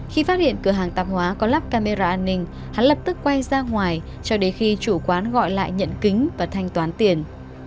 khi phát hiện cửa hàng tạp hóa có lắp camera an ninh hắn lập tức quay ra ngoài cho đến khi chủ quán gọi lại nhận kính và thanh toán tiền